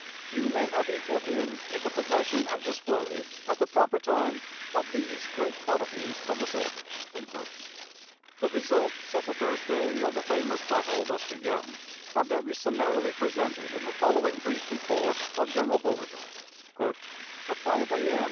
Few men have equaled him in the possession and display, at the proper time, of these great qualities of the soldier." The results of the first day of the famous battle thus began are very summarily presented in the following brief report of General Beauregard: "At 5 A.M.